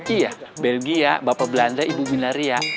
iya belgia bapak belanda ibu minari ya